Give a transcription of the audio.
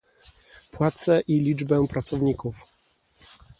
płace i liczbę pracowników